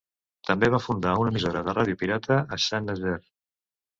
També va fundar una emissora de ràdio pirata a Saint-Nazaire.